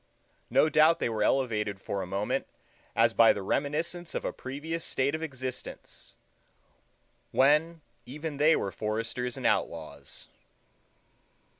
No doubt they were elevated for a moment as by the reminiscence of a previous state of existence, when even they were foresters and outlaws.